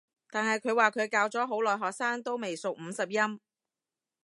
但係佢話教咗好耐學生都未熟五十音